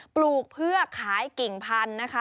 ปลูกเพื่อขายกิ่งพันธุ์นะคะ